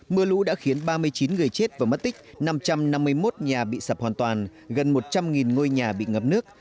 mưa lũ đã khiến ba mươi chín người chết và mất tích năm trăm năm mươi một nhà bị sập hoàn toàn gần một trăm linh ngôi nhà bị ngập nước